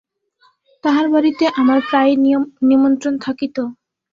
তাঁহার বাড়িতে আমার প্রায়ই নিমন্ত্রণ থাকিত।